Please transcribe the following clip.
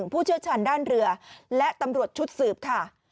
ผู้เชี่ยวชาญด้านเรือและตำรวจชุดสืบค่ะ